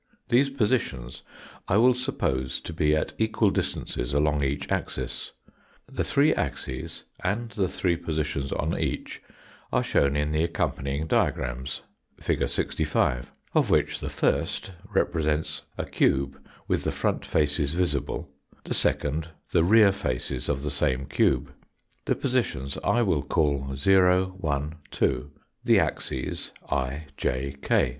These positions I will suppose to be at equal distances along each . 64. Fig. 65. axis. The three axes and the three positions on each are shown in the accompanying diagrams, fig. 65, of which the first represents a cube with the front faces visible, the second the rear faces of the same cube ; the positions I will call 0, 1, 2 ; the axes, i,j, k.